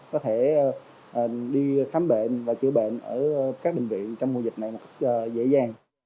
có thể đi khám bệnh và chữa bệnh ở các bệnh viện trong mùa dịch này dễ dàng